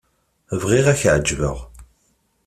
Bɣiɣ ad k-εeǧbeɣ.